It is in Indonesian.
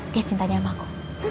dia cintanya sama aku